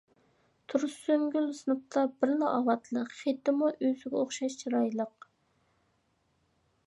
تۇرسۇنگۈل سىنىپتا بىرلا ئاۋاتلىق، خېتىمۇ ئۆزىگە ئوخشاش چىرايلىق.